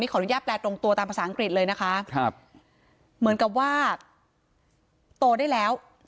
ขออนุญาตแปลตรงตัวตามภาษาอังกฤษเลยนะคะครับเหมือนกับว่าโตได้แล้ว